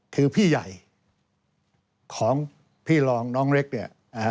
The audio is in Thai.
คือพี่ใหญ่ของพี่รองน้องเล็กเนี่ย